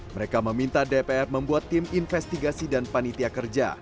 mereka meminta dpr membuat tim investigasi dan panitia kerja